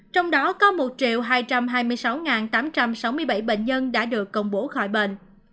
trong đó có một hai trăm hai mươi sáu tám trăm sáu mươi bảy bệnh nhân đã được công bố khỏi bệnh